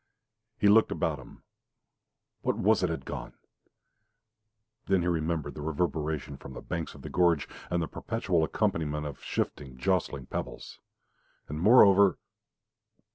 He looked about him. What was it had gone? Then he remembered the reverberation from the banks of the gorge and the perpetual accompaniment of shifting, jostling pebbles. And, moreover